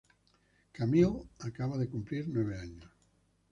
Camille acaba de cumplir nueve años.